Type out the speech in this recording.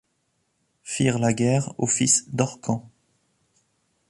Firent la guerre aux fils d’Orcan